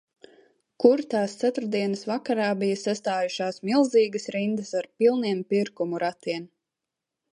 Kur tās ceturtdienas vakarā bija sastājušās milzīgas rindas ar pilniem pirkumu ratiem.